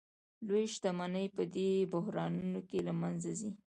لویې شتمنۍ په دې بحرانونو کې له منځه ځي